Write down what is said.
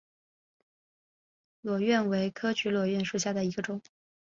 裸菀为菊科裸菀属下的一个种。